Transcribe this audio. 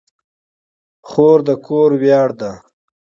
خور د کور ویاړ ده.